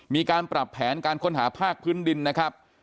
มีการปรับแผนการค้นหาภาคพื้นดินนะครับ